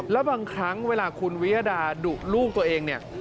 แล้วบางครั้งเวลาคุณวิยดาดุลูกตัวเองเนี่ย